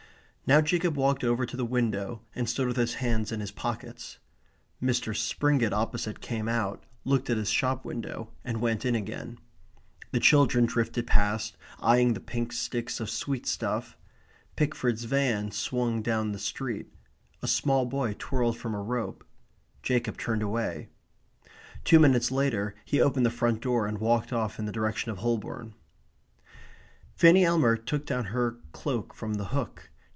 Now Jacob walked over to the window and stood with his hands in his pockets. Mr. Springett opposite came out, looked at his shop window, and went in again. The children drifted past, eyeing the pink sticks of sweetstuff. Pickford's van swung down the street. A small boy twirled from a rope. Jacob turned away. Two minutes later he opened the front door, and walked off in the direction of Holborn. Fanny Elmer took down her cloak from the hook.